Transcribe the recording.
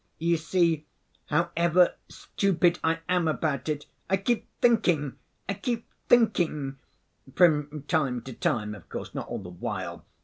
You see, however stupid I am about it, I keep thinking, I keep thinking—from time to time, of course, not all the while.